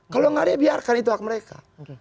kalau tidak biarkan itu hak mereka